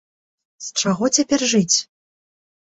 З чаго цяпер жыць?